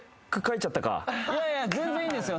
いやいや全然いいんですよ